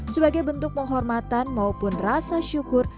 sebagai bentuk penghormatan maupun rasa syukur